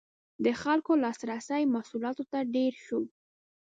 • د خلکو لاسرسی محصولاتو ته ډېر شو.